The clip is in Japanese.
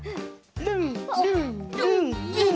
ルンルンルンルン！